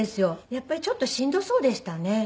やっぱりちょっとしんどそうでしたね。